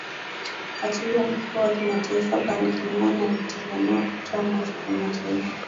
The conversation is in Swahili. katibu mkuu wa kimataifa ban kimoon akitazamiwa kutoa mwito kwa mataifa